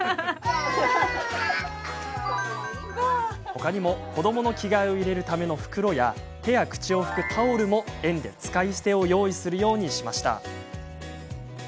他にも、子どもの着替えを入れるための袋や手や口を拭くタオルも園で使い捨てを用意するようにしました。